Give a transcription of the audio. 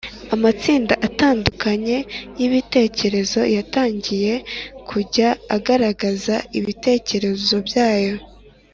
amatsinda atandukanye y’ibitekerezo yatangiye kujya agaragaza ibitekerezo byayo